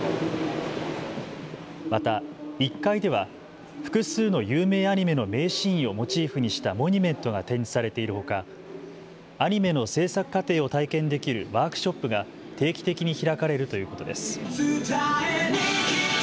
また１階では複数の有名アニメの名シーンをモチーフにしたモニュメントが展示されているほかアニメの制作過程を体験できるワークショップが定期的に開かれるということです。